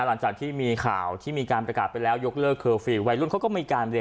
หลังจากที่มีข่าวที่มีการประกาศไปแล้วยกเลิก